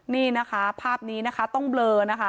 นี่นะคะภาพนี้นะคะต้องเบลอนะคะ